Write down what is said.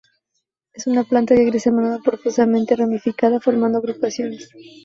Es una planta que crece a menudo profusamente ramificada, formando agrupaciones.